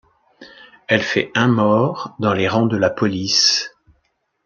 Elle fait un mort dans les rangs de la police.